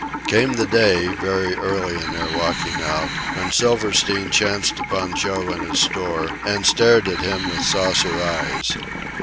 Came the day, very early in their walking out, when Silverstein chanced upon Joe in his store and stared at him with saucer eyes.